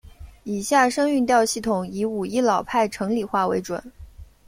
以下声韵调系统以武义老派城里话为准。